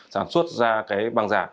sản xuất ra bằng giả